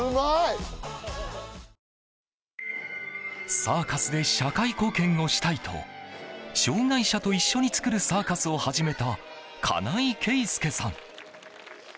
サーカスで社会貢献をしたいと障害者と一緒に作るサーカスを始めた、金井ケイスケさん。